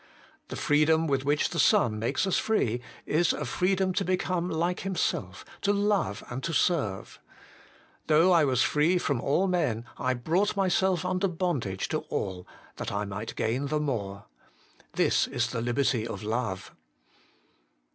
The freedom with which the Son mattes free is a freedom to become lihe Himself, to hue and to serve. ' Though I was free from all men, I brought myself under bondage to all, that I might gain the more.' This is the liberty of love.